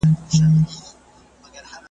شپه مي نیمی که له آذانه پر ما ښه لګیږي ,